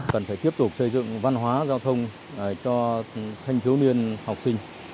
cần phải tiếp tục xây dựng văn hóa giao thông cho thanh thiếu niên học sinh